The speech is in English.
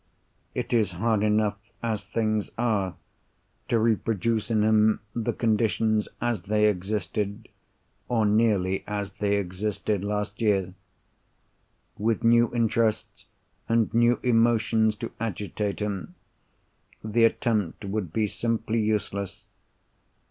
It is hard enough, as things are, to reproduce in him the conditions as they existed, or nearly as they existed, last year. With new interests and new emotions to agitate him, the attempt would be simply useless.